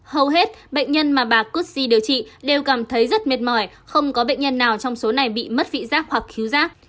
hầu hết bệnh nhân mà bà kutsi điều trị đều cảm thấy rất mệt mỏi không có bệnh nhân nào trong số này bị mất vị giác hoặc khiến